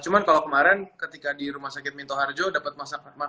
cuma kalau kemarin ketika di rumah sakit minto harjo dapat makanannya kan emang